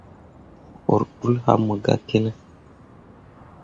Mo ur ḍul happe mo gah ki ne.